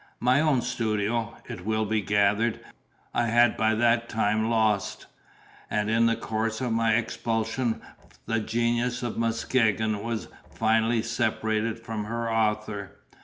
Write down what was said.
My own studio (it will be gathered) I had by that time lost; and in the course of my expulsion the Genius of Muskegon was finally separated from her author.